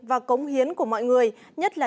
và cống hiến của mọi người nhất là